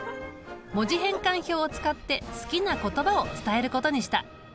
文字変換表を使って好きな言葉を伝えることにした。